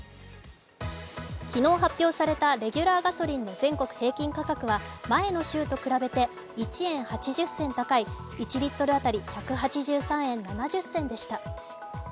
昨日発表されたレギュラーガソリンの全国平均価格は前の週と比べて１円８０銭高い１リットル当たり１８３円７０銭でした。